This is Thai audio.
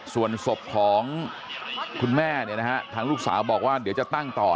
ส่วนศพของคุณแม่ทางลูกสาวบอกว่าเดี๋ยวจะตั้งต่อ